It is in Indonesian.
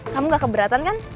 kamu tidak keberatan kan